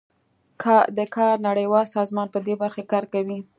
د کار نړیوال سازمان پدې برخه کې کار کوي